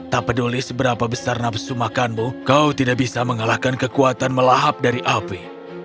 tak peduli seberapa besar nafsu makanmu kau tidak bisa mengalahkan kekuatan melahap dari api